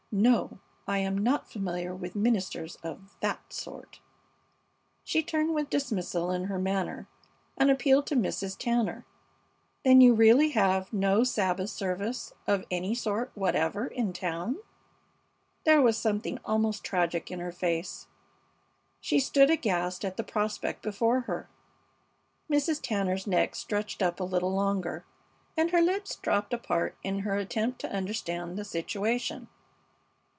"No, I am not familiar with ministers of that sort." She turned with dismissal in her manner and appealed to Mrs. Tanner. "Then you really have no Sabbath service of any sort whatever in town?" There was something almost tragic in her face. She stood aghast at the prospect before her. Mrs. Tanner's neck stretched up a little longer, and her lips dropped apart in her attempt to understand the situation.